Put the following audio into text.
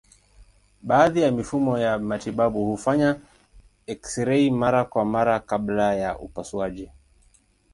Baadhi ya mifumo ya matibabu hufanya eksirei mara kwa mara kabla ya upasuaji.